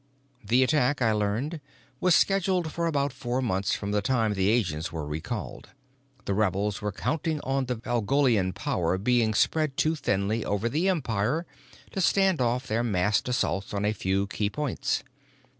The attack, I learned, was scheduled for about four months from the time the agents were recalled. The rebels were counting on the Valgolian power being spread too thinly over the Empire to stand off their massed assault on a few key points.